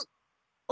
あ。